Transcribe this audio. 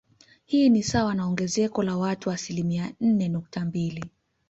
Hii ni sawa na ongezeko la watu asilimia nne nukta mbili